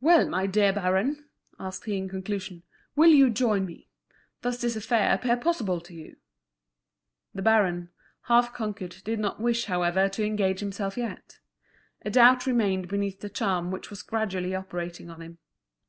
"Well! my dear baron," asked he in conclusion, "will you join me? Does this affair appear possible to you?" The baron, half conquered, did not wish, however, to engage himself yet. A doubt remained beneath the charm which was gradually operating on him.